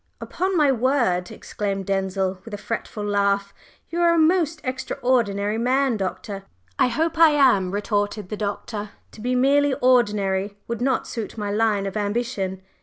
"Upon my word!" exclaimed Denzil, with a fretful laugh, "you are a most extraordinary man, Doctor!" "I hope I am!" retorted the Doctor. "To be merely ordinary would not suit my line of ambition.